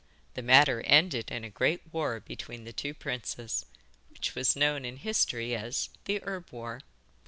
The matter ended in a great war between the two princes, which was known in history as the 'Herb War.